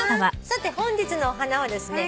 さて本日のお花はですね